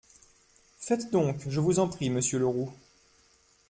Faites donc, je vous en prie, monsieur Le Roux.